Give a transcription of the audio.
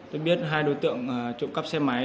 tôi biết hai đối tượng trộm cắp xe máy